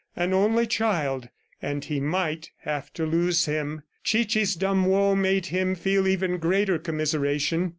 An only child, and he might have to lose him! ... Chichi's dumb woe made him feel even greater commiseration.